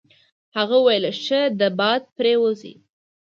هغه وویل: ښه ده باد پرې وځي.